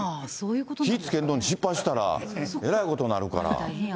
火つけるのに、失敗したら、えらいことになるから。